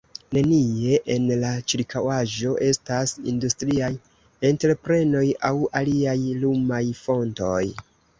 Nenie en la ĉirkaŭaĵo estas industriaj entreprenoj aŭ aliaj lumaj fontoj.